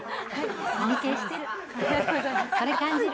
それ感じる。